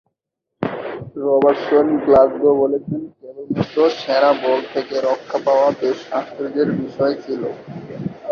Robertson-Glasgow বলেছেন, কেবলমাত্র সেরা বল থেকে রক্ষা পাওয়া বেশ আশ্চর্যের বিষয় ছিল।